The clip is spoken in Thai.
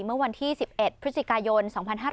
เมื่อวันที่๑๑พฤศจิกายน๒๕๕๙